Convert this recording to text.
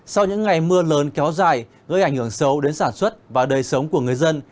sau những ngày mưa lớn kéo dài gây ảnh hưởng xấu đến sản xuất và đời sống của người dân